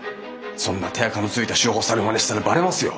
そんな手あかのついた手法を猿マネしたらバレますよ。